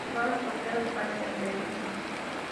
Lugar apropiado para el senderismo.